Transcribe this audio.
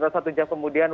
atau satu jam kemudian